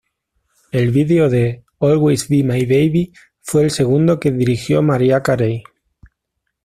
El vídeo de "Always Be My Baby" fue el segundo que dirigió Mariah Carey.